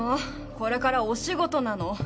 これからお仕事なの。